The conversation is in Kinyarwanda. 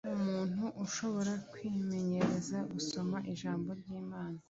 Umuntu ashobora kwimenyereza gusoma Ijambo ry'Imana,